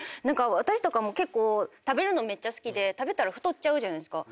私も食べるのめっちゃ好きで食べたら太るじゃないですか。